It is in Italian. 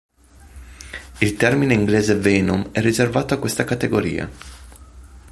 Il termine inglese "venom" è riservato a questa categoria.